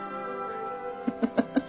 フフフフフ。